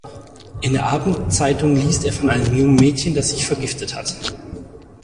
In der Abendzeitung liest er von einem jungen Mädchen, das sich vergiftet hat.